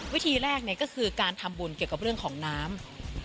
วิธีแรกก็คือการทำบุญเกี่ยวกับเรื่องของน้ำ